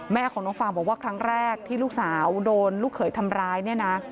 แม่ของน้องฟางบอกว่าครั้งแรกที่ลูกสาวโดนลูกเขยทำร้ายเนี่ยนะ